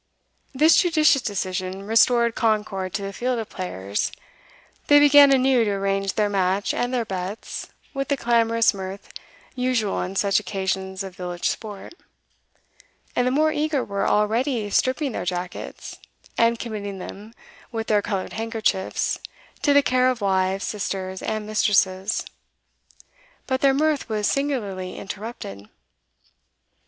This judicious decision restored concord to the field of players; they began anew to arrange their match and their bets, with the clamorous mirth usual on such occasions of village sport, and the more eager were already stripping their jackets, and committing them, with their coloured handkerchiefs, to the care of wives, sisters, and mistresses. But their mirth was singularly interrupted.